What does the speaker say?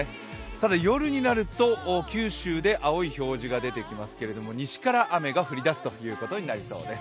ただ、夜になると九州で青い表示が出てきますけれども、西から雨が降りだすことになりそうです。